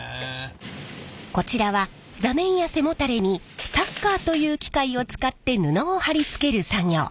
こちらは座面や背もたれにタッカーという機械を使って布を張り付ける作業。